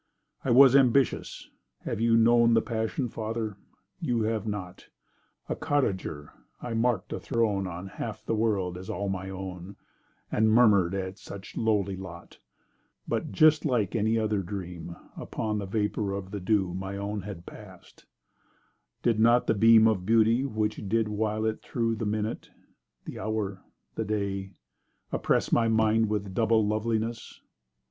I was ambitious—have you known The passion, father? You have not: A cottager, I mark'd a throne Of half the world as all my own, And murmur'd at such lowly lot— But, just like any other dream, Upon the vapour of the dew My own had past, did not the beam Of beauty which did while it thro' The minute—the hour—the day—oppress My mind with double loveliness.